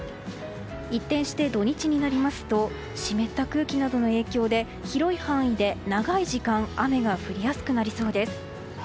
一転して土日になりますと湿った空気などの影響で広い範囲で長い時間雨が降りやすくなりそうです。